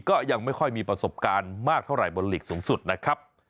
ก็ยังไม่ค่อยมีประสบการณ์มากเท่าไหรบนหลีกสูงสุดนะครับ